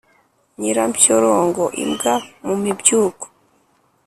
nyirampyorongo-imbwa mu mibyuko.